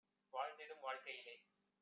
வாழ்ந்திடும் வாழ்க்கையிலே